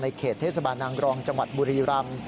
เขตเทศบาลนางรองจังหวัดบุรีรำ